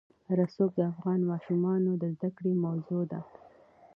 رسوب د افغان ماشومانو د زده کړې موضوع ده.